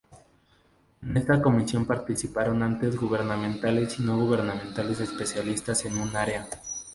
En esta comisión participaron entes gubernamentales y no gubernamentales especialistas en un área.